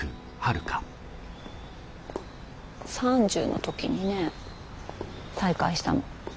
３０の時にね再会したの。